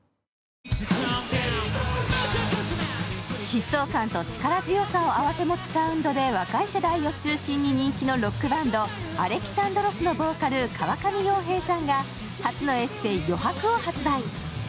疾走感と力強さを併せ持つサウンドで若い世代を中心に人気のロックバンド［Ａｌｅｘａｎｄｒｏｓ］のボーカル川上洋平さんが発表のエッセー「−余拍−」を発売。